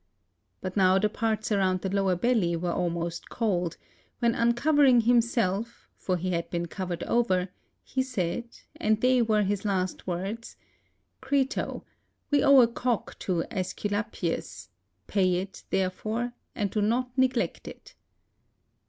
But now the parts around the lower belly were almost cold ; when uncovering himself, for he had been covered over, he said, and they were his last words, " Crito, we owe a cock to .^sculapius; pay it, therefore, and do not neglect it."